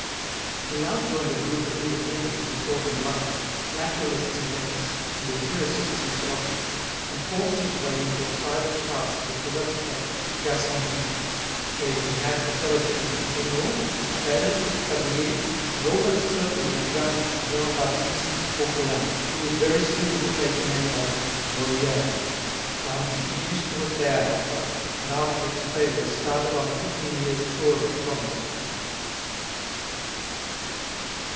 He now joined a group of independents in thought and life, naturalists in ethics and empiricists in philosophy, and forced his way into a private class of the philosopher Gassendi, where he had for fellow students Hesnaut, Chapelle, Bernier, and almost certainly a young Jean Baptiste Poquelin, who was very soon to take the name of Molière, found the "Illustre Théâtre," and after its failure start on a fifteen years' tour of the provinces.